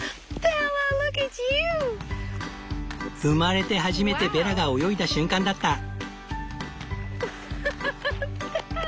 生まれて初めてベラが泳いだ瞬間だった！